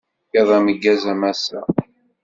Iḍ ameggaz a massa.